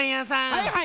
はいはい。